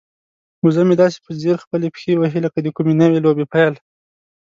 وزه مې داسې په ځیر خپلې پښې وهي لکه د کومې نوې لوبې پیل.